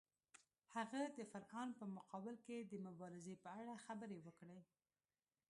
هغه د فرعون په مقابل کې د مبارزې په اړه خبرې وکړې.